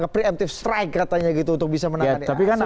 preemptive strike katanya gitu untuk bisa menangani